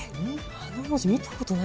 あの文字見たことない。